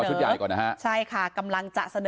ชุดใหญ่ก่อนนะฮะใช่ค่ะกำลังจะเสนอ